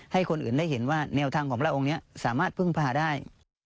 ให้คนอื่นได้เห็นว่าแนวทางของพระองค์นี้สามารถพึ่งพาได้